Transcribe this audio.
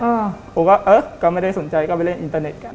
ผมก็เออก็ไม่ได้สนใจก็ไปเล่นอินเตอร์เน็ตกัน